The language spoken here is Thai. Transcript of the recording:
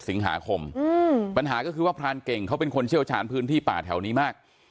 สิงหาคมปัญหาก็คือว่าพรานเก่งเขาเป็นคนเชี่ยวชาญพื้นที่ป่าแถวนี้มาก